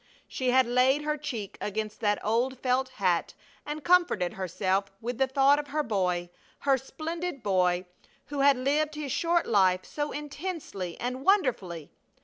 She had laid her cheek against that old felt hat and comforted herself with the thought of her boy, her splendid boy, who had lived his short life so intensely and wonderfully.